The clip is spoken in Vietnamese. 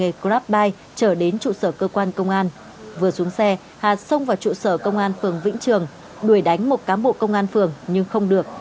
hà đã làm nghề grab bike trở đến trụ sở cơ quan công an vừa xuống xe hà xông vào trụ sở công an phường vĩnh trường đuổi đánh một cám bộ công an phường nhưng không được